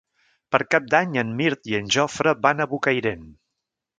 Per Cap d'Any en Mirt i en Jofre van a Bocairent.